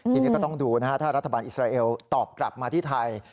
ทีนี้ก็ต้องดูนะฮะถ้ารัฐบาลอิสราเอลตอบกลับมาที่ไทย